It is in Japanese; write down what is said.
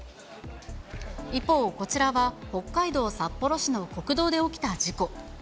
一方、こちらは北海道札幌市の国道で起きた事故。